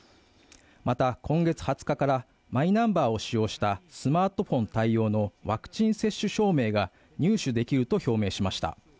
また、今月２０日からマイナンバーを使用したスマートフォン対応のワクチン接種証明が入手できると表明しました。